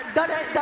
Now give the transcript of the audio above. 誰？